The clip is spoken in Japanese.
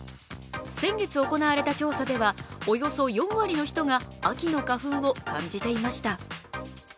先月行われた調査ではおよそ４割の人が秋の花粉を感じていました。